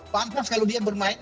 pantas kalau dia bermain